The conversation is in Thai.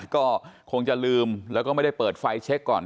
ก็คงจะลืมแล้วก็ไม่ได้เปิดไฟเช็คก่อน